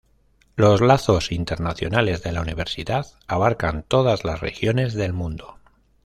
Los lazos internacionales de la universidad abarcan todas las regiones del mundo.